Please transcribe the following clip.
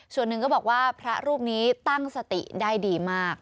ส่วนหนึ่งก็บอกว่าพระรูปนี้ตั้งสติได้ดีมาก